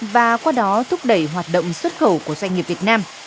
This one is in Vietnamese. và qua đó thúc đẩy hoạt động xuất khẩu của doanh nghiệp việt nam